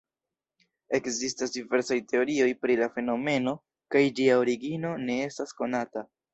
Ekzistas diversaj teorioj pri la fenomeno kaj ĝia origino ne estas konata.